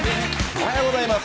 おはようございます！